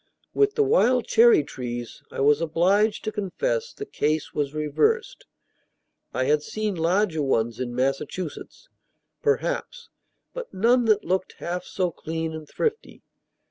With the wild cherry trees, I was obliged to confess, the case was reversed. I had seen larger ones in Massachusetts, perhaps, but none that looked half so clean and thrifty.